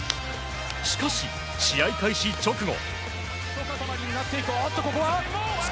しかし、試合開始直後。